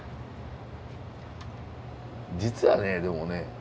実はねでもね